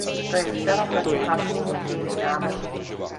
To je zcela proti hlavnímu cíli návrhu.